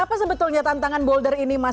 apa sebetulnya tantangan bolder ini mas